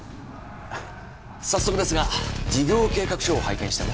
早速ですが事業計画書を拝見しても？